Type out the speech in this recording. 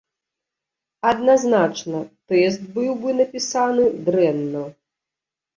Адназначна, тэст быў бы напісаны дрэнна.